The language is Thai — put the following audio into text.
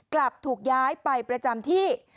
กลับถูกย้ายไปประจำที่